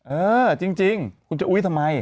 เออจริงคุณจะอุ๊ยทำไม